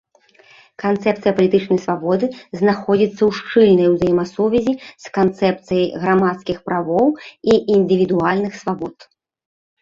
Канцэпцыя палітычнай свабоды знаходзіцца ў шчыльнай узаемасувязі з канцэпцыяй грамадскіх правоў і індывідуальных свабод.